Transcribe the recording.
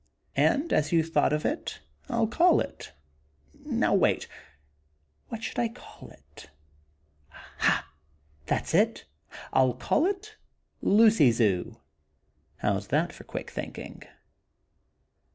And, as you thought of it, I'll call it, now wait; what shall I call it? Aha! That's it! I'll call it 'Lucy Zoo'. How's that for quick thinking?"